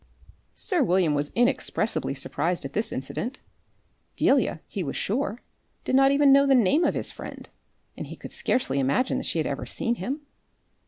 Sir William was inexpressibly surprised at this incident. Delia, he was sure, did not even know the name of his friend, and he could scarcely imagine that she had ever seen him.